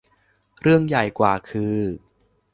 เรื่องใหญ่กว่าคือ